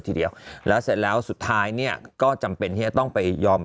ทีเดียวแล้วเสร็จแล้วสุดท้ายเนี่ยก็จำเป็นที่จะต้องไปยอม